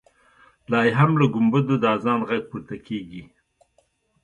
لا یې هم له ګمبدو د اذان غږ پورته کېږي.